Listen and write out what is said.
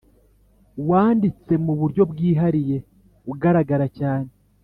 wanditse mu buryo bwihariye (ugaragara cyane).